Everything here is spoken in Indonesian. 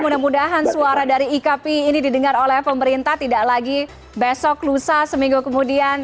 mudah mudahan suara dari ikp ini didengar oleh pemerintah tidak lagi besok lusa seminggu kemudian